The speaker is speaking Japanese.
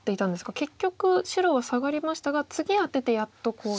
結局白はサガりましたが次アテてやっとコウと。